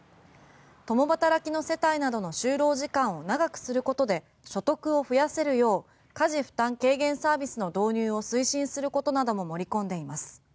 共働きの世帯などの就労時間を長くすることで所得を増やせるよう家事負担軽減サービスの導入を推進することなども盛り込んでいます。